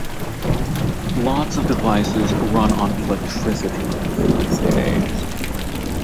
Lots of devices run on electricity these days.